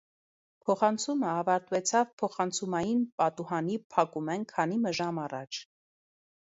Փոխանցումը աւարտեցաւ փոխանցումային պատուհանի փակումէն քանի մը ժամ առաջ։